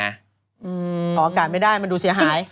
ออกอากาศไม่ได้มันดูเสียหาย